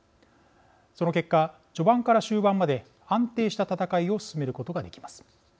その結果、序盤から終盤まで安定した戦いを進めることができます。